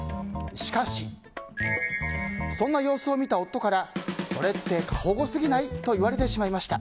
しかし、そんな様子を見た夫からそれって過保護過ぎないと言われてしまいました。